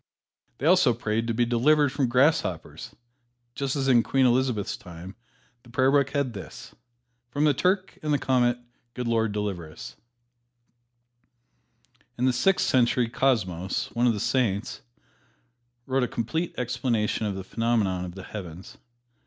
They also prayed to be delivered from grasshoppers, just as in Queen Elizabeth's time the Prayer Book had this, "From the Turk and the Comet, good Lord deliver us." In the Sixth Century, Cosmos, one of the Saints, wrote a complete explanation of the phenomena of the heavens.